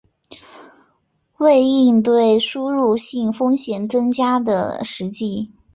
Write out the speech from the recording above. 为应对输入性风险增加的实际